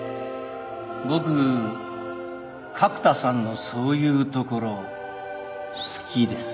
僕角田さんのそういうところ好きです。